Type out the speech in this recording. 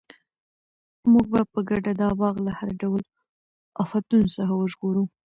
موږ به په ګډه دا باغ له هر ډول آفتونو څخه وژغورو.